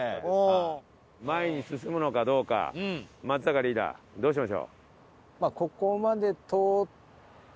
前に進むのかどうか松坂リーダーどうしましょう？